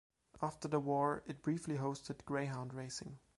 After the war, it briefly hosted greyhound racing.